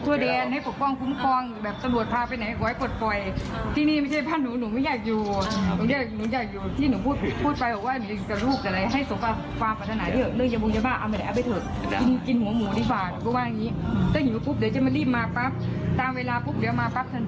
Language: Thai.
ที่ปกป้องคุ้มครองและที่พารดาแผ่นสุบัม